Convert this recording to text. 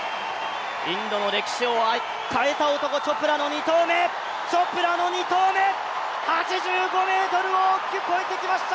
インドの歴史を変えた男、チョプラの２投目、８５ｍを大きく越えてきました。